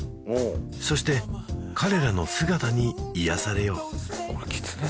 そして彼らの姿に癒やされようこれキツネ？